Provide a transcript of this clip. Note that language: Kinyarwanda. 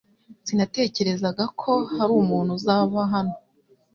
Sinatekerezaga ko hari umuntu uzaba hano.